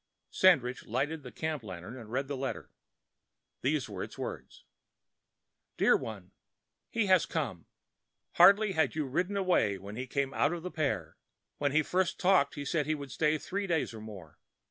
Sandridge lighted the camp lantern and read the letter. These were its words: Dear One: He has come. Hardly had you ridden away when he came out of the pear. When he first talked he said he would stay three days or more.